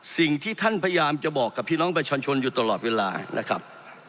สิ่งที่ท่านพยายามจะบอกกับพี่น้องประชาชนอยู่ตลอดเวลานะครับ